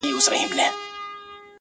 هره شېبه مهمه ده.